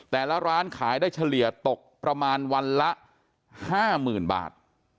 ร้านขายได้เฉลี่ยตกประมาณวันละ๕๐๐๐บาท